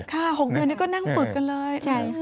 ค่ะ๖เดือนแล้วก็นั่งฝึกกันเลย